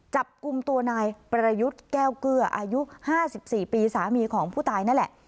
จับกลุ่มตัวนายประยุทธ์แก้วเกลืออายุ๕๔ปีสามีของผู้ตายนั่นแหละ